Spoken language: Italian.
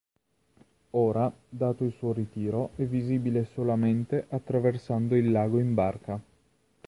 Ora, dato il suo ritiro, è visibile solamente attraversando il lago in barca.